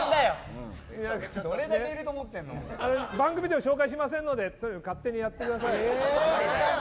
番組では紹介しませんので勝手にやってください。